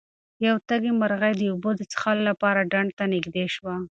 یوه تږې مرغۍ د اوبو د څښلو لپاره ډنډ ته نږدې شوه.